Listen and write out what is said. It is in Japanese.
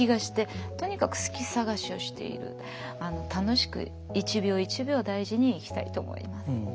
楽しく一秒一秒大事に生きたいと思います。